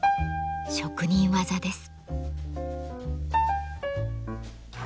職人技です。